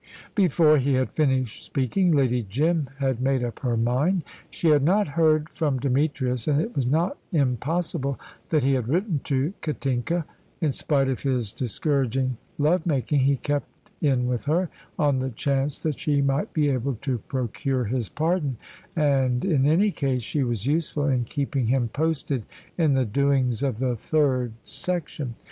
Before he had finished speaking Lady Jim had made up her mind. She had not heard from Demetrius, and it was not impossible that he had written to Katinka. In spite of his discouraging love making he kept in with her, on the chance that she might be able to procure his pardon, and in any case she was useful in keeping him posted in the doings of the Third Section.